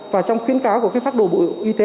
và trong khuyến cáo của cái phác đồ bộ y tế